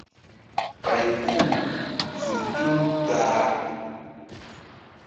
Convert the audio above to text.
Ɓay ku-u zo tulu ta-a.